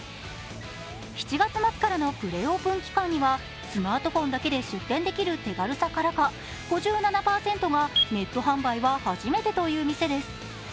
７月末からのプレオープン期間にはスマートフォンだけで出店できる手軽さからか５７％がネット販売は初めてという店です。